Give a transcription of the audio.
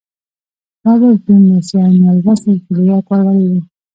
رابرټ برنس يو نالوستی او کليوال وګړی و.